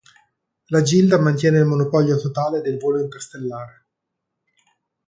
La Gilda mantiene il monopolio totale del volo interstellare.